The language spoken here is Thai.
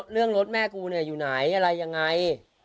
เรื่องรถแม่กูอยู่ไหนอะไรยังไง